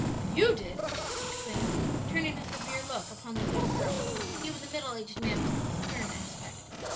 "You did?" he exclaimed, turning a severe look upon the young girl (he was a middle aged man of stern aspect).